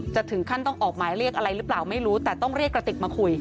จะถึงขั้นต้องออกหมายเรียกอะไรหรือเปล่าไม่รู้แต่ต้องเรียกกระติกมาคุย